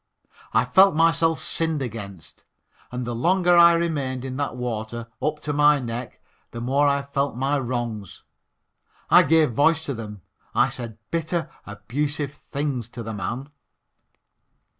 I felt myself sinned against, and the longer I remained in that water, up to my neck, the more I felt my wrongs. I gave voice to them. I said bitter, abusive things to the man.